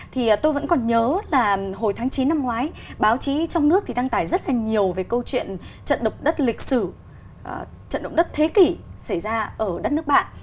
thì tôi vẫn còn nhớ là hồi tháng chín năm ngoái báo chí trong nước thì đăng tải rất là nhiều về câu chuyện trận động đất lịch sử trận động đất thế kỷ xảy ra ở đất nước bạn